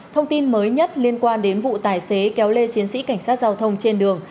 thông tin mới nhất liên quan đến vụ tài xế kéo lê chiến sĩ cảnh sát giao thông trên đường